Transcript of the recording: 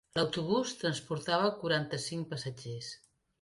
L'autobús transportava quaranta-cinc passatgers.